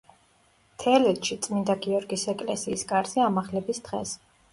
თელეთში, წმინდა გიორგის ეკლესიის კარზე ამაღლების დღეს.